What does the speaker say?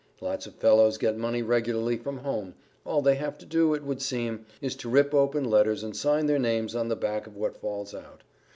Lots of fellows get money regularly from home. All they have to do, it would seem, is to rip open letters and sign their names on the back of what falls out.